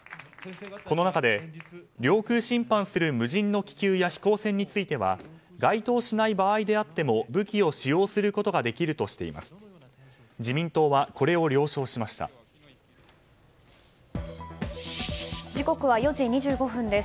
この中で、領空侵犯する無人の気球や飛行船については該当しない場合であっても武器を使用することができるとしています。